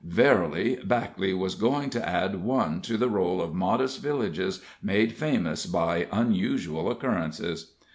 Verily, Backley was going to add one to the roll of modest villages made famous by unusual occurrences.